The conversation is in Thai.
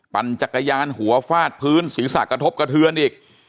ปั่นจักรยานหัวฟาดพื้นศีรษะกระทบกระเทือนอีก